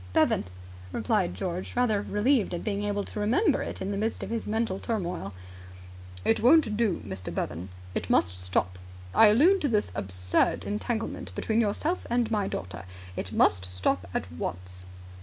"Bevan," replied George, rather relieved at being able to remember it in the midst of his mental turmoil. "It won't do, Mr. Bevan. It must stop. I allude to this absurd entanglement between yourself and my daughter. It must stop at once."